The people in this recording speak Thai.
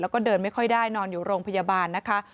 แล้วก็เดินไม่ค่อยได้นอนอยู่โรงพยาบาลนะคะ